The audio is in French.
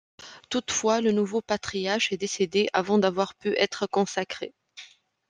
Toutefois, le nouveau patriarche est décédé avant d'avoir pu être consacré.